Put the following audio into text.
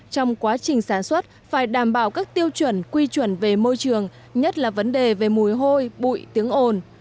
trong quá trình sản xuất phải đảm bảo các tiêu chuẩn quy chuẩn về môi trường nhất là vấn đề về mùi hôi bụi tiếng ồn